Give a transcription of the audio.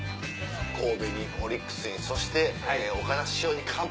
神戸にオリックスにそして岡田師匠に乾杯。